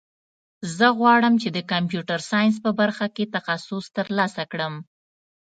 زه غواړم چې د کمپیوټر ساینس په برخه کې تخصص ترلاسه کړم